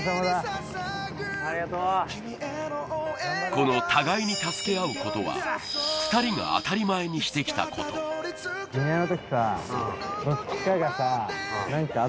この互いに助け合うことは２人が当たり前にしてきたことああ分かる？